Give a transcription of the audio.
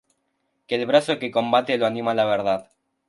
que el brazo que combate lo anima la verdad.